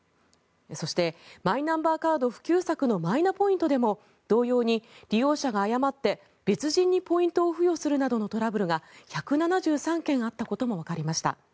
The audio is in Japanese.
そしてマイナンバーカード普及策のマイナポイントでも同様に利用者が誤って別人にポイントを付与するなどのトラブルが１７３件あったこともわかりました。